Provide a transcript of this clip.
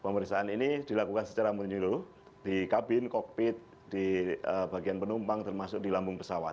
pemeriksaan ini dilakukan secara menyeluruh di kabin kokpit di bagian penumpang termasuk di lambung pesawat